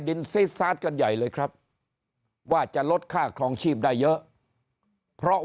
ซีดซาสกันใหญ่เลยครับว่าจะลดค่าครองชีพได้เยอะเพราะ